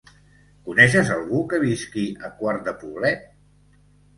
Coneixes algú que visqui a Quart de Poblet?